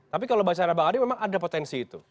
tapi kalau bahasa arab adik memang ada potensi itu